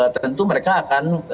tentu mereka akan